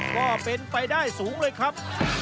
ก็เป็นไปได้สูงเลยครับ